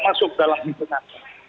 masuk dalam hiburan